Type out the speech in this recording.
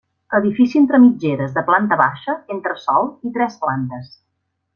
Edifici entre mitgeres, de planta baixa, entresòl i tres plantes.